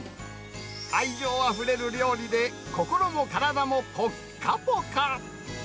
愛情あふれる料理で心も体もぽっかぽか。